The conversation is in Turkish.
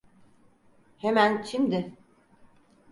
Hemen şimdi.